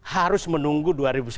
harus menunggu dua ribu sembilan belas